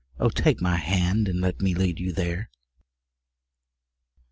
Oh, take my hand and let me lead you there.